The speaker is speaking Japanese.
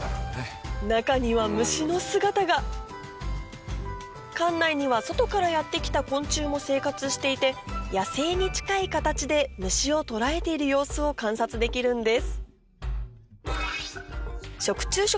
中には虫の姿が館内には外からやって来た昆虫も生活していて野生に近い形で虫を捕らえている様子を観察できるんです